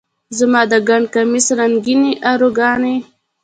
زما د ګنډ کمیس رنګینې ارواګانې،